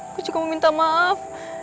aku juga mau minta maaf